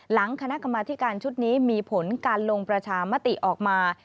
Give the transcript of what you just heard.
คณะกรรมธิการชุดนี้มีผลการลงประชามติออกมา